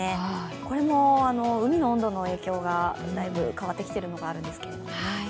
これも海の温度の影響がだいぶ変わってきている影響があるんですけれども。